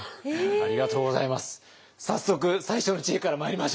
ありがとうございます！